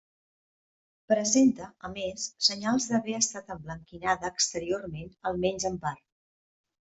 Presenta, a més, senyals d'haver estat emblanquinada exteriorment, almenys en part.